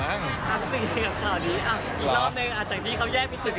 ตั้งคนี้กับข่าวนี้อ่ะอีกรอบหนึ่งอ่ะจากที่เขาแยกผิวแล้วอะไรงี้